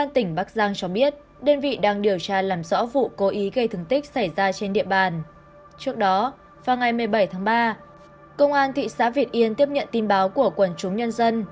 trước đó vào ngày một mươi bảy tháng ba công an thị xã việt yên tiếp nhận tin báo của quần chúng nhân dân